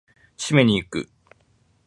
締めに行く！